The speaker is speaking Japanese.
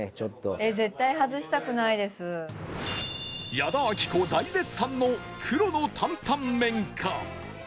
矢田亜希子大絶賛の黒の担々麺か？